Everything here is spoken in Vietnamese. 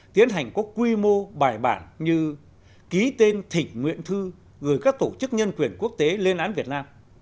tiến hành có quy mô bài bản như ký tên thỉnh nguyện thư gửi các tổ chức nhân quyền quốc tế lên án việt nam